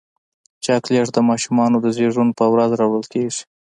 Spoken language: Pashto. چاکلېټ د ماشومانو د زیږون پر ورځ راوړل کېږي.